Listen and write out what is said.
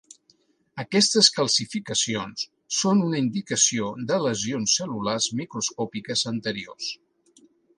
Aquestes calcificacions són una indicació de lesions cel·lulars microscòpiques anteriors.